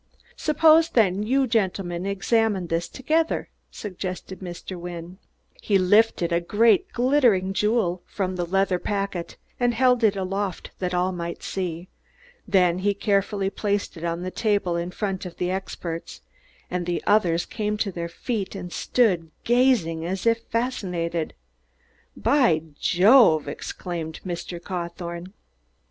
"Suppose, then, you gentlemen examine this together," suggested Mr. Wynne. He lifted a great glittering jewel from the leather packet and held it aloft that all might see. Then he carefully placed it on the table in front of the experts; the others came to their feet and stood gazing as if fascinated. "By Jove!" exclaimed Mr. Cawthorne.